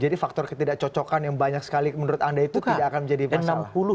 jadi faktor ketidakcocokan yang banyak sekali menurut anda itu tidak akan menjadi masalah